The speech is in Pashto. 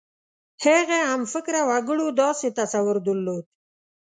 هغه همفکره وګړو داسې تصور درلود.